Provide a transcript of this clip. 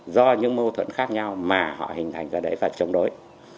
do những mâu thuẫn khác nhau mà họ hình hành ra đấy và chống đối